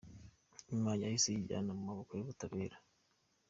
Nyuma yahise yijyana mu maboko y’ubutabera.